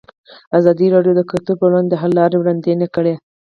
ازادي راډیو د کلتور پر وړاندې د حل لارې وړاندې کړي.